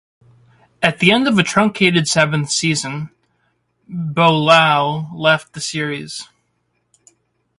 At the end of a truncated seventh season, Beaulieu left the series.